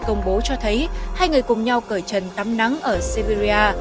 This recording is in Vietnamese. công bố cho thấy hai người cùng nhau cởi trần tắm nắng ở siberia